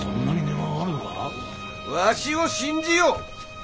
わしを信じよ。